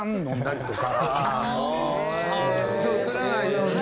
つらないように。